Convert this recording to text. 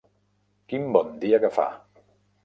Quin bon dia que fa!